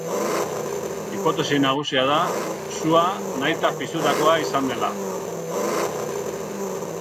Hipotesi nagusia da sua nahita piztutakoa izan dela.